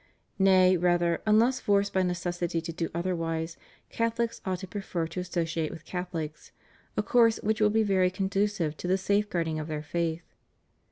Nay, rather, unless forced by necessity to do otherwise, Catholics ought to prefer to associate with CathoUcs, a course which will be very conducive to the safeguarding of their faith.